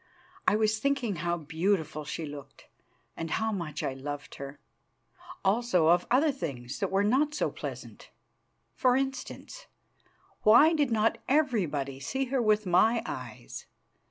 I was thinking how beautiful she looked, and how much I loved her; also of other things that were not so pleasant. For instance, why did not everybody see her with my eyes?